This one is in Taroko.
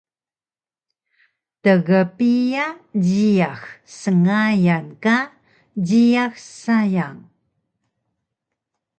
Tgpiya jiyax sngayan ka jiyax sayang?